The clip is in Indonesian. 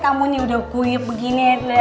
kamu nih udah kuyuk begini